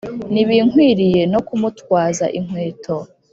ntibinkwiriye no kumutwaza inkweto.